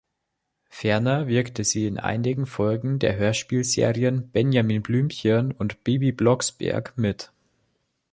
Ferner wirkte sie in einigen Folgen der Hörspielserien Benjamin Blümchen und Bibi Blocksberg mit.